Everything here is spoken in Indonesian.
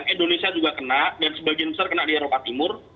indonesia juga kena dan sebagian besar kena di eropa timur